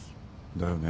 だよね。